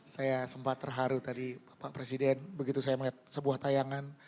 saya sempat terharu tadi bapak presiden begitu saya melihat sebuah tayangan